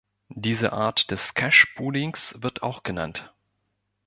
Diese Art des Cash-Poolings wird auch genannt.